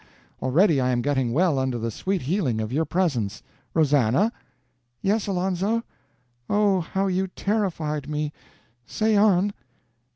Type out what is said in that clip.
Already I am getting well under the sweet healing of your presence. Rosannah?" "Yes, Alonzo? Oh, how you terrified me! Say on."